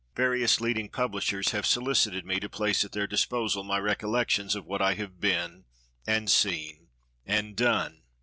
Various leading publishers have solicited me to place at their disposal my Recollections of what I have been, and seen, and done.